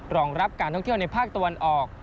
รองรับการท่องเที่ยวในภาคตะวันออก